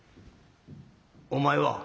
「お前は？」。